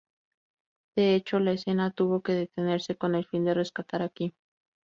De hecho, la escena tuvo que detenerse con el fin de rescatar a Kym.